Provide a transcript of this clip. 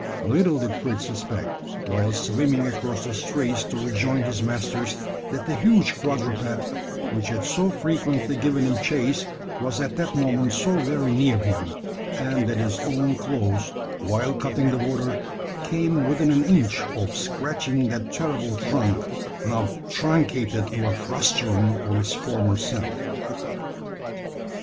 Little did Fritz suspect, while swimming across the straits to rejoin his masters, that the huge quadruped which had so frequently given him chase was at that moment so very near him; and that his own claws, while cutting the water, came within an inch of scratching that terrible trunk, now truncated to a frustrum of its former self!